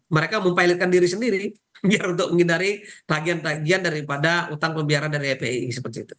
mereka mempilotkan diri sendiri biar untuk menghindari tagian tagian daripada utang pembiaran dari ipi